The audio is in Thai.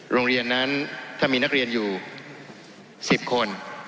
โรงเรียนนั้นถ้ามีนักเรียนอยู่๑๐คน